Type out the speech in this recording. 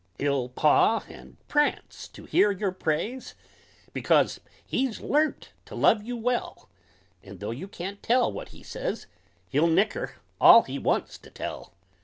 He'll paw and prance to hear your praise, Because he's learn't to love you well; And, though you can't tell what he says, He'll nicker all he wants to tell.